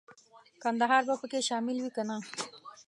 کندهار به پکې شامل وي کنه.